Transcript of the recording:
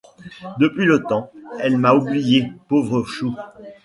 Depuis le temps, elle m’a oubliée, pauvre chou!